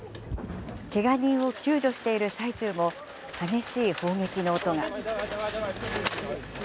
けが人を救助している最中も、激しい砲撃の音が。